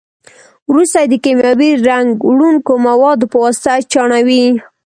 وروسته یې د کیمیاوي رنګ وړونکو موادو په واسطه چاڼوي.